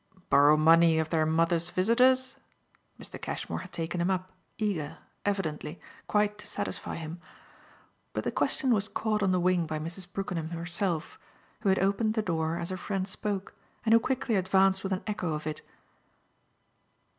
"Borrow money of their mother's visitors?" Mr. Cashmore had taken him up, eager, evidently, quite to satisfy him; but the question was caught on the wing by Mrs. Brookenham herself, who had opened the door as her friend spoke and who quickly advanced with an echo of it.